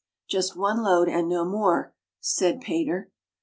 "Just one load, and no more," said pater.